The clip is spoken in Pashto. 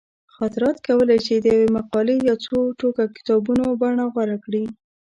خاطرات کولی شي د یوې مقالې یا څو ټوکه کتابونو بڼه غوره کړي.